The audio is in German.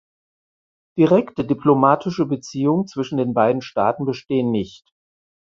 Direkte diplomatische Beziehungen zwischen den beiden Staaten bestehen nicht.